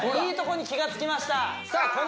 いいとこに気がつきましたさあ